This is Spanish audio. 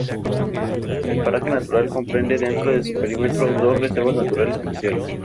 El Paraje Natural comprende dentro de su perímetro dos reservas naturales parciales.